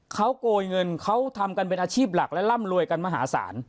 เขาโกยเงินเขาทำกันเป็นอาชีพหลักและร่ำรวยกันมหาศาล